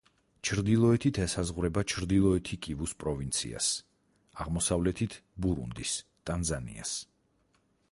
ჩრდილოეთით ესაზღვრება ჩრდილოეთი კივუს პროვინციას, აღმოსავლეთით ბურუნდის, ტანზანიას.